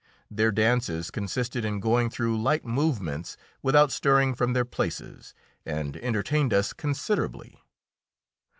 Their dances consisted in going through light movements without stirring from their places, and entertained us considerably.